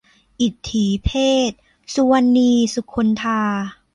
อิตถีเพศ - สุวรรณี สุคนธา